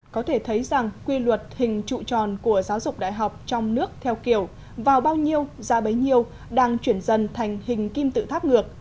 có thể thấy rằng quy luật hình trụ tròn của giáo dục đại học trong nước theo kiểu vào bao nhiêu ra bấy nhiêu đang chuyển dần thành hình kim tự tháp ngược